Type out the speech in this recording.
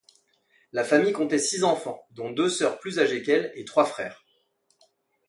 La famille comptait six enfants, dont deux sœurs plus âgées qu'elle, et trois frères.